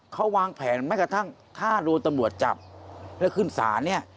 เขาวางแผนแม้กระทั่งถ้าโดนตำรวจจับแล้วขึ้นศาลเนี่ย